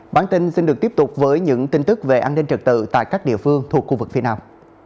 bản tin xin được tiếp tục với những tin tức về an ninh trật tự tại các địa phương thuộc khu vực phía nam